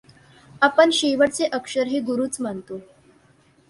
आपण शेवटचे अक्षर हे गुरूच मानतो.